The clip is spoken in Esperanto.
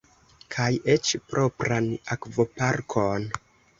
Kaj eĉ propran akvoparkon!